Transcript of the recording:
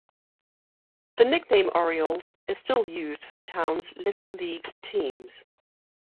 The nickname "Orioles" is still used for the towns' little league teams.